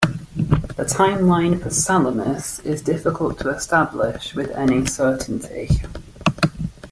The time-line for Salamis is difficult to establish with any certainty.